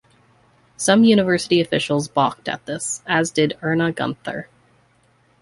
Some University officials balked at this, as did Erna Gunther.